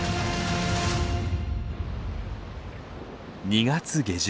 ２月下旬。